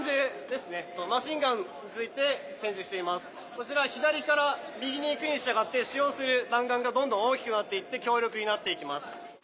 こちら左から右にいくに従って使用する弾丸がどんどん大きくなっていって強力になっていきます。